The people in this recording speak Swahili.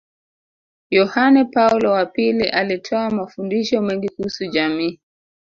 Yohane Paulo wa pili alitoa mafundisho mengi kuhusu jamii